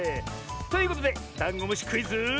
ということでダンゴムシクイズ。